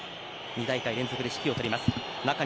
２大会連続で指揮を執ります。